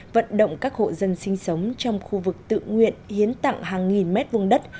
vận động các hộ dân sinh sống trong khu vực tự nguyện hiến tặng hàng nghìn mét vùng đất